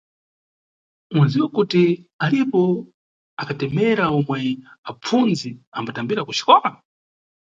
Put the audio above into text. Unidziwa kuti alipo akatemera omwe apfunzi ambatambira ku xikola?